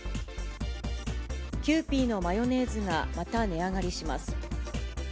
キユーピーのマヨネーズがまた値上がりします。